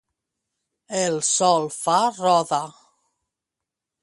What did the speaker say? El sol fa roda.